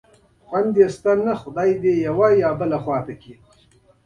دغه بنسټونه تر یوې نیمې لسیزې پورې پاتې شول.